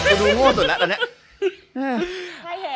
ดูโง่สุดแล้วตอนนี้